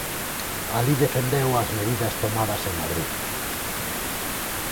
Alí defendeu as medidas tomadas en Madrid.